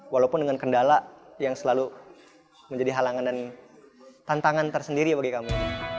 walaupun dengan kendala yang selalu menjadi halangan dan tantangan tersendiri ya bagi kamu